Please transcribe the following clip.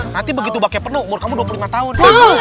nanti begitu baka penuh umur kamu dua puluh lima tahun